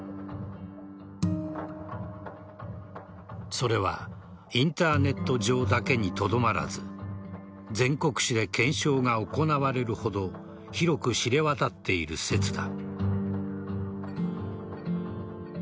それはインターネット上だけにとどまらず全国紙で検証が行われるほど広く知れ渡っている説だ。